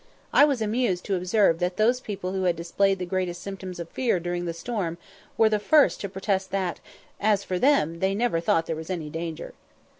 I was amused to observe that those people who had displayed the greatest symptoms of fear during the storm were the first to protest that, "as for them, they never thought there was any danger."